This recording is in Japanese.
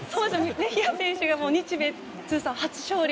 メヒア投手が日米通算初勝利。